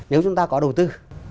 nếu chúng ta có đầu tư